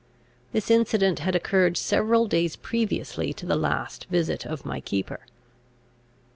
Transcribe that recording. This incident had occurred several days previously to the last visit of my keeper.